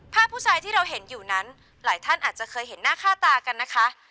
ผู้ชายที่เราเห็นอยู่นั้นหลายท่านอาจจะเคยเห็นหน้าค่าตากันนะคะ